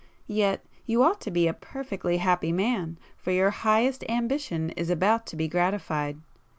Yet you ought to be a perfectly happy man—for your highest ambition is about to be gratified.